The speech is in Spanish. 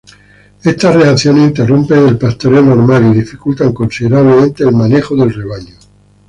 Estas reacciones interrumpen el pastoreo normal y dificultan considerablemente el manejo del rebaño.